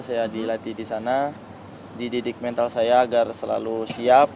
saya dilatih di sana dididik mental saya agar selalu siap